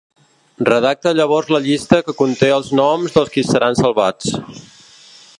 Redacta llavors la llista que conté els noms dels qui seran salvats.